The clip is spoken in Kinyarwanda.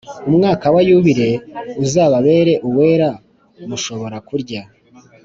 Umwaka wa yubile uzababere uwera mushobora kurya